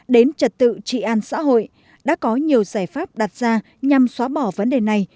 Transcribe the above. đến trật tự trị an xã hội đã có nhiều giải pháp đặt ra nhằm xóa bỏ vấn đề này